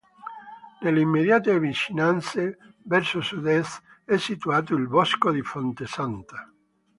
Nelle immediate vicinanze, verso Sud-Est, è situato il Bosco di Fonte Santa.